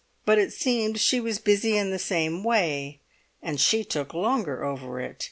But it seemed she was busy in the same way, and she took longer over it.